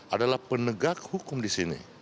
adalah penegak hukum di sini